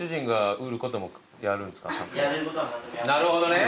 なるほどね！